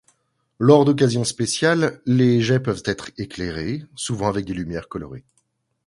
Lors d'occasions spéciales les jets peuvent être éclairés, souvent avec des lumières colorées.